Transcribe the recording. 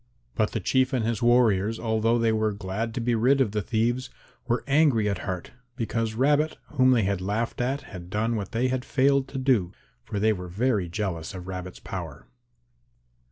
But the Chief and his warriors, although they were glad to be rid of the thieves, were angry at heart because Rabbit whom they had laughed at had done what they had failed to do, for they were very jealous of Rabbit's power.